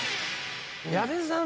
矢部さん